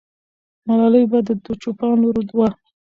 ملالۍ به د چوپان لور وه.